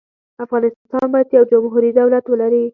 افغانستان باید یو جمهوري دولت ولري.